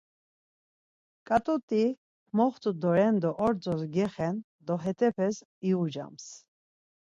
ǩat̆uti moxtu doren do ordzos gexen do hetepes iyucams.